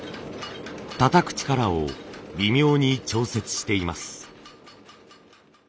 たたく力を微妙に調節しています。